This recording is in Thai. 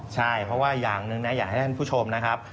ใช่เพราะว่าอย่างหนึ่งนะอยากให้ท่านผู้ชมนะครับ